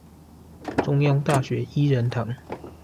中央大學依仁堂